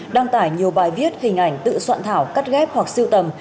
đăng tải nhiều bài viết hình ảnh tự soạn thảo cắt ghép hoặc siêu tầm